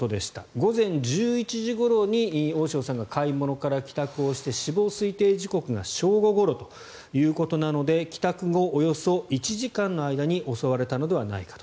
午前１１時ごろに大塩さんが買い物から帰宅して死亡推定時刻が正午ごろということなので帰宅後およそ１時間の間に襲われたのではないかと。